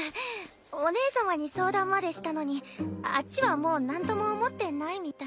お姉様に相談までしたのにあっちはもうなんとも思ってないみたい。